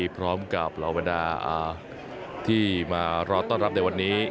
พร้อมกับเหล่าบรรดาที่มารอต้อนรับในวันนี้